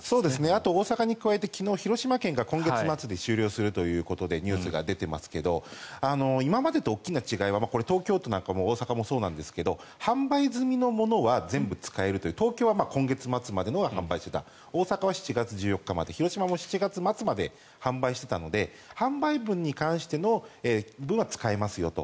あと大阪に加えて昨日、広島も今月末で終了するということでニュースが出ていますけれど今までと大きな違いは東京都や大阪もそうですが販売済みのものは全部使えるという東京は今月末まで販売していた大阪７月１４日まで広島も７月末まで販売していたので販売分に関しての分は使えますよと。